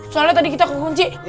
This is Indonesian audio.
soalnya tadi kita kecil sih ya mikirnya